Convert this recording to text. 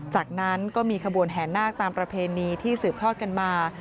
จากนั้นก็มีขบวนแห่นาคตามประเพณีที่สืบทอดกันมา